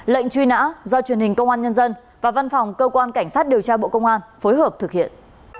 lệnh truy nã do truyền hình công an nhân dân và văn phòng cơ quan cảnh sát điều tra bộ công an phối hợp thực hiện